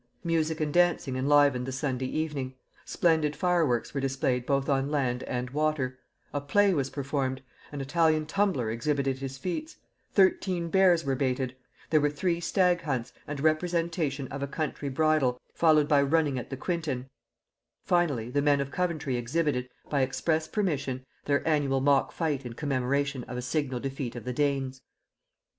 Music and dancing enlivened the Sunday evening. Splendid fireworks were displayed both on land and water; a play was performed; an Italian tumbler exhibited his feats; thirteen bears were baited; there were three stag hunts, and a representation of a country bridal, followed by running at the quintin: finally, the men of Coventry exhibited, by express permission, their annual mock fight in commemoration of a signal defeat of the Danes.